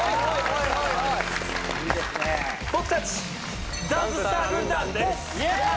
僕たちダンススター軍団です！